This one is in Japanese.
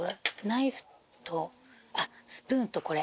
ナイフとスプーンとこれ。